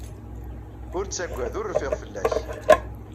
Ur ttagad. Ur rfiɣ fell-ak.